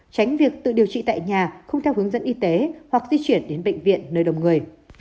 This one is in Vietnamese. tránh việc tự điều trị tại nhà không theo hướng dẫn y tế hoặc di chuyển đến bệnh viện nơi đông người